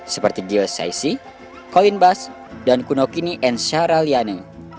seperti gil saisi colin bass dan kunokini ensara liane